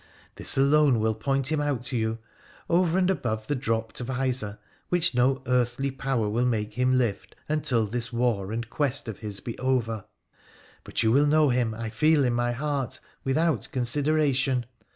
This alone will point him out to you, over and above the dropped visor, which no earthly power will make him lift until this war and quest of his be over. But you will know him, I feel in my heart, without consideration.